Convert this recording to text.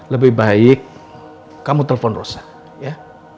lebih baik kamu telpon rosa ya